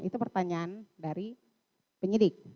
itu pertanyaan dari penyidik